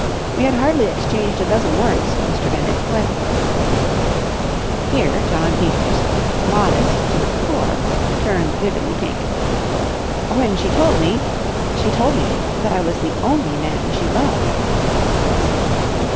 We had hardly exchanged a dozen words, Mr. Bennett, when—"—here Jno. Peters, modest to the core, turned vividly pink—"when she told me—she told me that I was the only man she loved!"